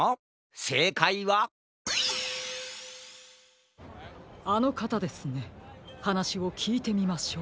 せいかいはあのかたですねはなしをきいてみましょう。